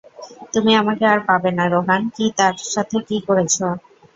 তুমি আমাকে আর পাবে না রোহান কি তার সাথে কি করেছ?